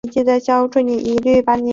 铜钹是一种常见的打击乐器。